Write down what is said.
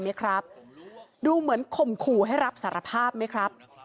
ไหมครับดูเหมือนข่มขู่ให้รับสารภาพไหมครับ